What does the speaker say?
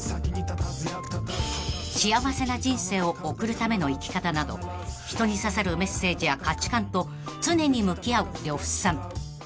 ［幸せな人生を送るための生き方など人に刺さるメッセージや価値観と常に向き合う呂布さん］